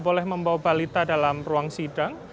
boleh membawa balita dalam ruang sidang